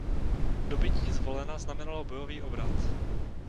Dobytí Zvolena znamenalo bojový obrat.